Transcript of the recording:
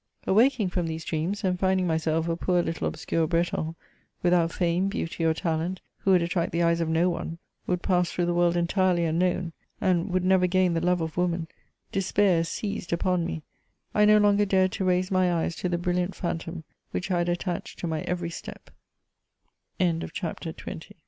Awaking ^m these dreams, and finding myself a poor little obscure Breton, without fame, beauty, or talent, who would attract the eyes of no one, would pass through the world entirely unknown, and would never gain the love of woman, despair seized upon me ; I no longer dared to raise my eyes to the brilliant phantom which I had attached to my ev